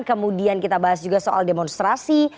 kemudian kita bahas juga soal demonstrasi